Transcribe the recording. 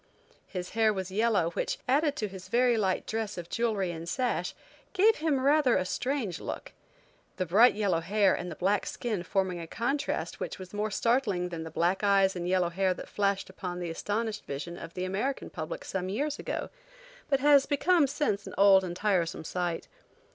His hair was yellow which, added to his very light dress of jewelry and sash, gave him rather a strange look. The bright yellow hair and the black skin forming a contrast which was more startling than the black eyes and yellow hair that flashed upon the astonished vision of the American public some years ago, but has become since an old and tiresome sight.